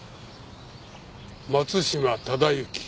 松島忠之。